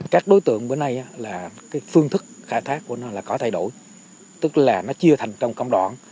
các đối tượng bữa nay là phương thức khai thác của nó là có thay đổi tức là nó chia thành trong cộng đoạn